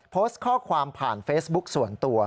โพสต์ข้อความผ่านเฟซบุ๊กส่วนตัว